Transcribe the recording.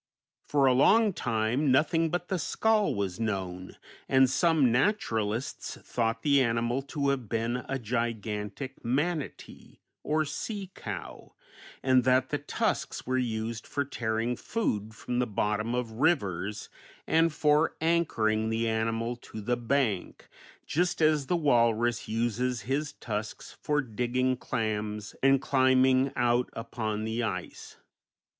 For a long time nothing but the skull was known, and some naturalists thought the animal to have been a gigantic manatee, or sea cow, and that the tusks were used for tearing food from the bottom of rivers and for anchoring the animal to the bank, just as the walrus uses his tusks for digging clams and climbing out upon the ice.